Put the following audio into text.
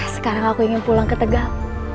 sekarang aku ingin pulang ke tegal